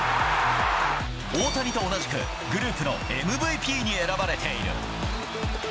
大谷と同じく、グループのＭＶＰに選ばれている。